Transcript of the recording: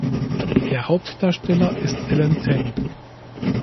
Der Hauptdarsteller ist Alan Tang.